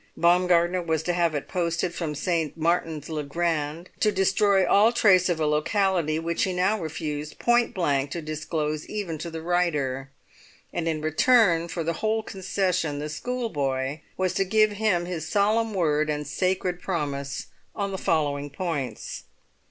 Baumgartner was to have it posted from St. Martin's le Grand, to destroy all trace of a locality which he now refused point blank to disclose even to the writer. And in return for the whole concession the schoolboy was to give his solemn word and sacred promise on the following points.